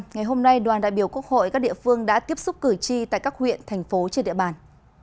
ngày hôm nay đoàn đại biểu quốc hội các địa phương đã tiếp xúc cử tri tại các huyện thành phố trên địa bàn